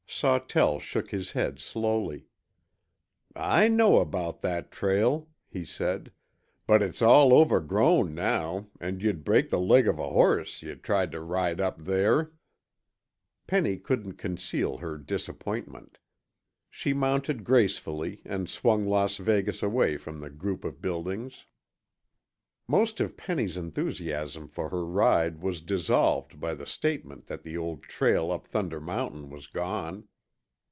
Sawtell shook his head slowly. "I know about that trail," he said, "but it's all overgrown now and you'd break the leg of a horse you tried to ride up there." Penny couldn't conceal her disappointment. She mounted gracefully and swung Las Vegas away from the group of buildings. Most of Penny's enthusiasm for her ride was dissolved by the statement that the old trail up Thunder Mountain was gone.